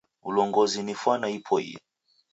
Wulongozi ni fwana ipoiye.